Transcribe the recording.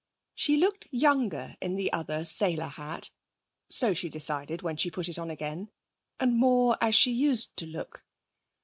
She looked younger in the other sailor hat (so she decided when she put it on again) and more as she used to look.